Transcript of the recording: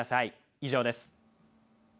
以上です。